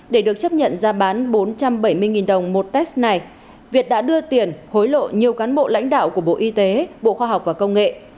để được chấp nhận ra bán bốn trăm bảy mươi đồng một test này việt đã đưa tiền hối lộ nhiều cán bộ lãnh đạo của bộ y tế bộ khoa học và công nghệ